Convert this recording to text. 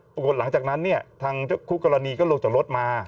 ปรากฏว่าหลังจากนั้นทางคู่กรณีก็ลงจากรถมา